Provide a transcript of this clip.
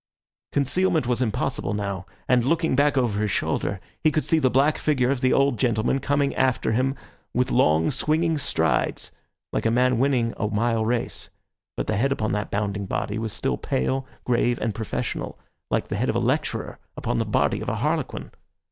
Concealment was impossible now; and looking back over his shoulder, he could see the black figure of the old gentleman coming after him with long, swinging strides like a man winning a mile race. But the head upon that bounding body was still pale, grave and professional, like the head of a lecturer upon the body of a harlequin.